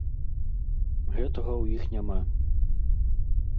Гэтага ў іх няма.